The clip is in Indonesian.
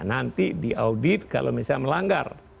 nanti diaudit kalau misalnya melanggar